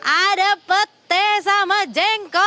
ada pete sama jengkau